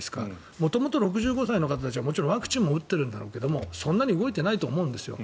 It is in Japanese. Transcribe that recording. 元々６５歳以上の方たちはワクチンも打ってるんだろうけどそんなに動いていないと思うんですよ。